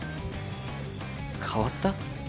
変わった？